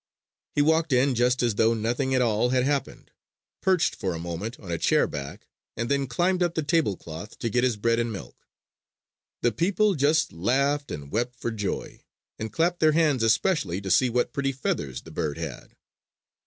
He walked in just as though nothing at all had happened, perched for a moment on a chair back, and then climbed up the tablecloth to get his bread and milk. The people just laughed and wept for joy, and clapped their hands especially to see what pretty feathers the bird had.